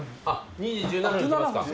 ２時１７分に来ますか。